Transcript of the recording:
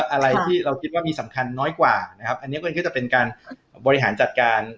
อะไรที่เรามีสำคัญน้อยกว่าอันเนี้ยก็จะเป็นการบริหารจัดการ